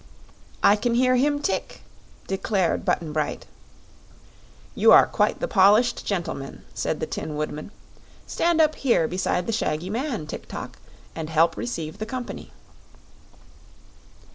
"I can hear him tick," declared Button Bright. "You are quite the polished gentleman," said the Tin Woodman. "Stand up here beside the shaggy man, Tik tok, and help receive the company."